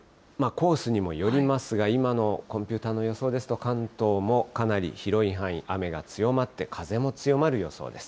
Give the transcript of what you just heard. コースにもよりますが、今のコンピューターの予想ですと、関東もかなり広い範囲、雨が強まって、風も強まる予想です。